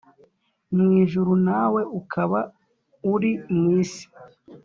mu ijuru nawe ukaba uri mu isi